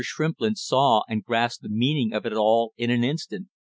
Shrimplin saw and grasped the meaning of it all in an instant.